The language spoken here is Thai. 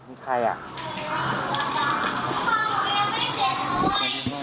มีใครอ่ะ